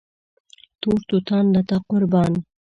تور توتان له تا قربان